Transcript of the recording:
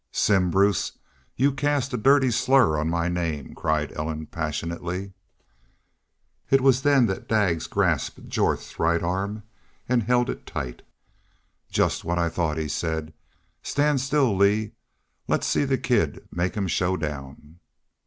"Simm Bruce, y'u cast a dirty slur on my name," cried Ellen, passionately. It was then that Daggs grasped Jorth's right arm and held it tight, "Jest what I thought," he said. "Stand still, Lee. Let's see the kid make him showdown."